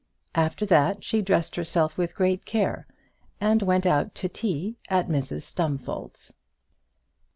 After that she dressed herself with great care, and went out to tea at Mrs Stumfold's.